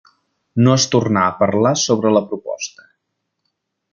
No es tronà a parlar sobre la proposta.